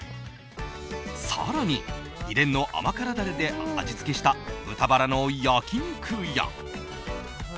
更に秘伝の甘辛ダレで味付けした豚バラの焼き肉や。